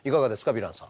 ヴィランさん。